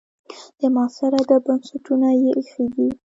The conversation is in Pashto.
د معاصر ادب بنسټونه یې ایښي دي.